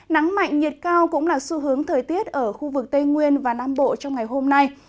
nắng mạnh nhiệt cao cũng là xu hướng thời tiết ở khu vực tây nguyên và nam bộ trong ngày hôm nay